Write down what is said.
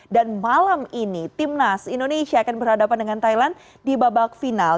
dan malam ini timnas indonesia akan berhadapan dengan thailand di babak final